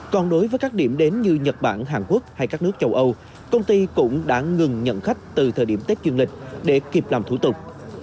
còn đối với các điểm đến như nhật bản hàn quốc hay các nước châu âu công ty cũng đã ngừng nhận khách từ thời điểm tết dương lịch để kịp làm thủ tục